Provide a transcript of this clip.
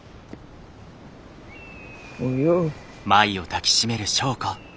およ。